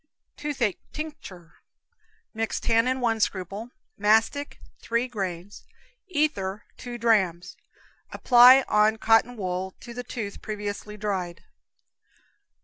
Toothache Tincture. Mix tannin, 1 scruple; mastic, 3 grains; ether, 2 drams. Apply on cotton wool, to the tooth, previously dried.